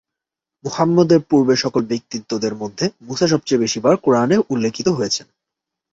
মুহাম্মদের পূর্বের সকল ব্যক্তিত্বের মধ্যে, মুসা সবচেয়ে বেশি বার কোরআনে উল্লেখিত হয়েছেন।